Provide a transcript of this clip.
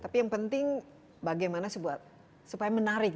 tapi yang penting bagaimana sebuah supaya menarik